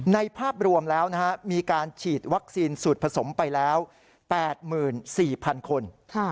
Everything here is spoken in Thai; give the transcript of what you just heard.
ภาพรวมแล้วมีการฉีดวัคซีนสูตรผสมไปแล้ว๘๔๐๐๐คน